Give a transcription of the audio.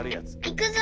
いくぞ！